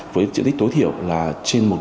với diện tích tối thiểu là trên một m hai